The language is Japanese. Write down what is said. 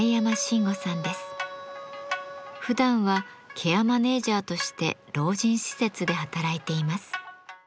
ふだんはケアマネージャーとして老人施設で働いています。